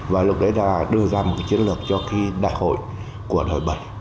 và lúc đấy đã đưa ra một chiến lược cho khi đại hội của đảng bảy